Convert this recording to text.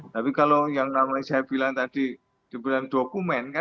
tapi kalau yang namanya saya bilang tadi diperlukan dokumen